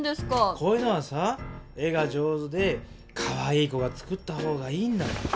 こういうのはさ絵が上手でかわいい子が作った方がいいんだよ。